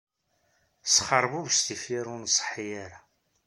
Sxerbubec tifyar ur nṣeḥḥi ara.